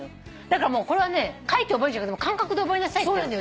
だからもうこれはね書いて覚えるんじゃなくて感覚で覚えなさいっていうの。